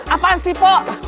apaan sih pok